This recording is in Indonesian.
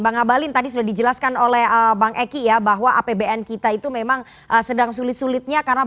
bang abalin tadi sudah dijelaskan oleh bang eki ya bahwa apbn kita itu memang sedang sulit sulitnya karena